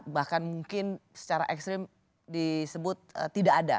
bahkan mungkin secara ekstrim disebut tidak ada